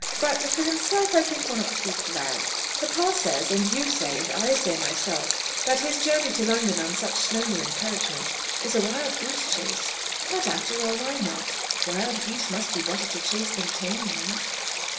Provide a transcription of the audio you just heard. But for himself, I think one ought to be glad. Papa says, and you say, and I say myself, that his journey to London on such slender encouragement is a wild goose chase. But, after all, why not? Wild geese must be better to chase than tame ones."